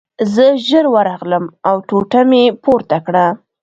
زه ژر ورغلم او ټوټه مې پورته کړه